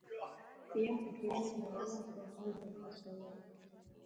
Tiem ir vieni no lielākajiem augļiem pasaulē.